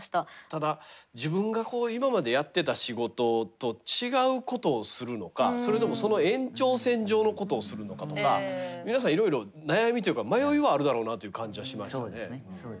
ただ自分が今までやってた仕事と違うことをするのかそれともその延長線上のことをするのかとか皆さんいろいろ悩みというか迷いはあるだろうなという感じはしましたね。